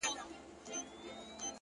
د تجربې ارزښت له عمله معلومېږي!